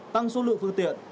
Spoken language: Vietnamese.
tăng số lượng phương tiện